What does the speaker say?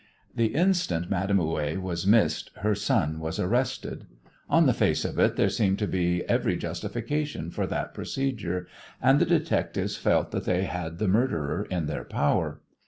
The instant Madame Houet was missed her son was arrested. On the face of it there seemed to be every justification for that procedure, and the detectives felt that they had the murderer in their power.